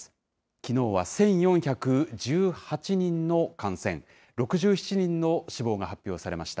きのうは１４１８人の感染、６７人の死亡が発表されました。